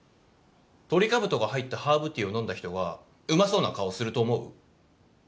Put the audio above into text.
トリカブトが入ったハーブティーを飲んだ人がうまそうな顔をすると思う？